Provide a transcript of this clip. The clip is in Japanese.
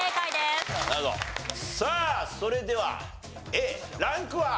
さあそれではＡランクは？